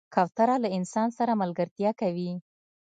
کوتره له انسان سره ملګرتیا کوي.